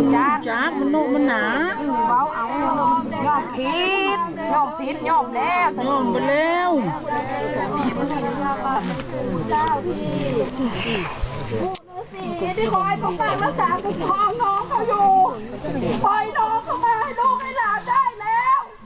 ดูนึงสิที่บ่ยบริกันละจากตุปฮน้องเขาอยู่ปล่อยน้องเขามาให้ลูกไม่ราวได้แล้ว